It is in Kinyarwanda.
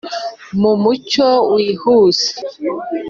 mu mucyo wihuse